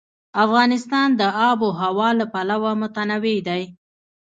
افغانستان د آب وهوا له پلوه متنوع دی.